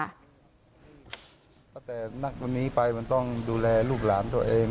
ส่วนหน้าตัวหน้านี้ไปมันต้องดูแลลูกหลานตัวเอง